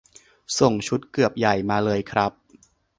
ส่งชุดเกือบใหญ่มาเลยครับ